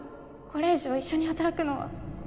これ以上一緒に働くのは